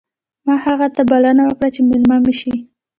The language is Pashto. ما هغه ته بلنه ورکړه چې مېلمه مې شي